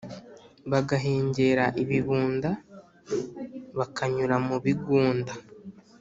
Bagahengera ibibunda bakanyura mu bigunda